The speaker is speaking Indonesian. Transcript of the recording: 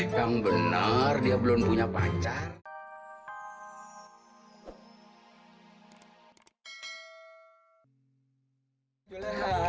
yang benar dia belum punya pacar